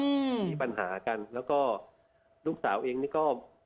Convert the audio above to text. มีปัญหากันแล้วก็ลูกสาวเองก็